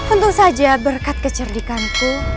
untung saja berkat kecerdikanku